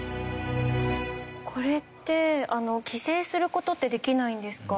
これって規制する事ってできないんですか？